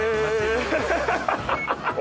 アハハハ。